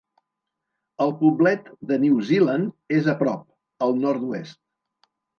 El poblet de New Zealand és a prop, al nord-oest.